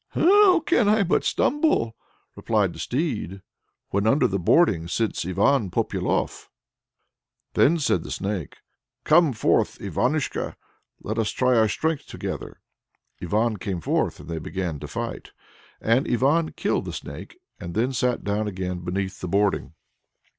"How can I but stumble," replied the Steed, "when under the boarding sits Ivan Popyalof?" Then said the Snake, "Come forth, Ivanushka! Let us try our strength together." Ivan came forth, and they began to fight. And Ivan killed the Snake, and then sat down again beneath the boarding.